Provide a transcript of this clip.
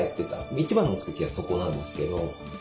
一番の目的はそこなんですけど。